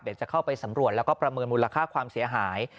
เดี๋ยวจะเข้าไปสำรวจแล้วก็ประเมินมูลค่าความเสียหาย